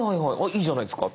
いいじゃないですか。